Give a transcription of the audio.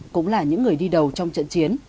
cũng là những người đi đầu trong trận chiến